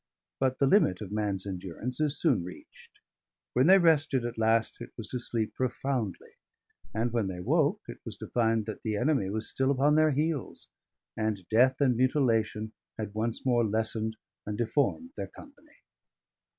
But the limit of man's endurance is soon reached; when they rested at last it was to sleep profoundly; and when they woke, it was to find that the enemy was still upon their heels, and death and mutilation had once more lessened and deformed their company.